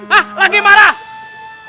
hah lagi marah